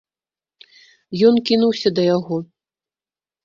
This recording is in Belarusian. Ён кінуўся да яго.